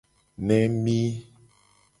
Nemi.